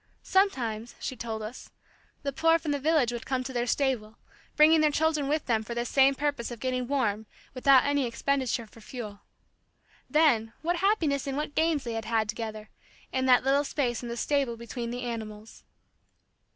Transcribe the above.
Sometimes, she told us, the poor from the village would come to their stable, bringing their children with them for this same purpose of getting warm without any expenditure for fuel. Then, what happiness and what games they had together, in that little space in the stable between the animals!